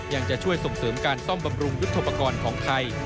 ยังจะช่วยส่งเสริมการซ่อมบำรุงยุทธโปรกรณ์ของไทย